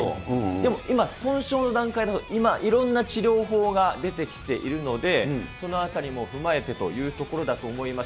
でも今、損傷の段階の今、いろんな治療法が出てきているので、そのあたりも踏まえてというところだと思います。